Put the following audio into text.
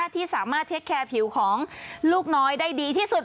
ที่สามารถเทคแคร์ผิวของลูกน้อยได้ดีที่สุด